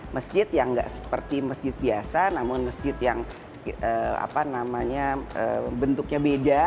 masjid yang nggak seperti masjid biasa namun masjid yang bentuknya beda